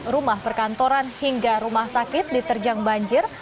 rumah perkantoran hingga rumah sakit diterjang banjir